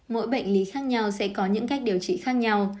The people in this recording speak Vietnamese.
mỗi bệnh lý khác nhau sẽ có những cách điều trị khác nhau